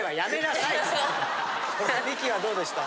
ミキはどうでした？